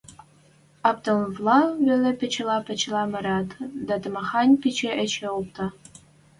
Ӓптӓнвлӓ веле пачелӓ-пачелӓ мырат, дӓ тамахань пи эче опта.